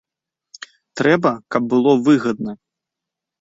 Трэба, каб было выгадна.